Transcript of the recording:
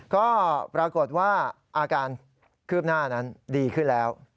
ก็ปรากฏว่าอาการคืบหน้านั้นดีขึ้นแล้ว